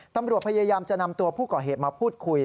ตำรวจพยายามจะนำตัวผู้ก่อเหตุมาพูดคุย